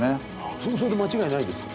それで間違いないですか？